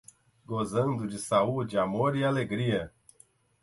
Gozando de saúde, amor e alegria